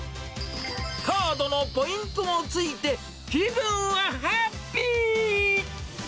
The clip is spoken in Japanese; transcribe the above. カードのポイントもついて、気分はハッピー。